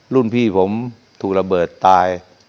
รุ่นพี่ผมถูกระเบิดตาย